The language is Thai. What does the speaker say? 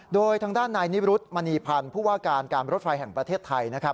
โดยทางด้านนายนิรุธมณีพันธ์ผู้ว่าการการรถไฟแห่งประเทศไทยนะครับ